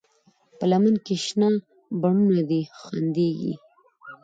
په لمن کې شنه بڼوڼه دي خندېږي